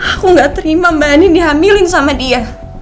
aku gak terima mbak ani dihamilin sama dia